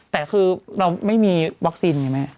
แต่คือเราไม่มีวัคซีนไงแม่